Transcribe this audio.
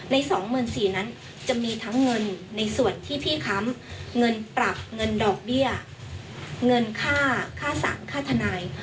ใน๒๔๐๐นั้นจะมีทั้งเงินในส่วนที่พี่ค้ำเงินปรับเงินดอกเบี้ยเงินค่าค่าสารค่าทนาย